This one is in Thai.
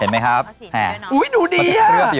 เห็นไหมครับเอาสีนี้ด้วยนะอุ๊ยดูดีอะตั้งแต่เครื่องอยู่